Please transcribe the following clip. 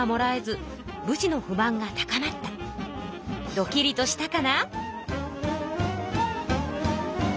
ドキリとしたかな？